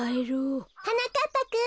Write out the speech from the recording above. はなかっぱくん。